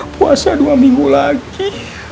puasa dua minggu lagi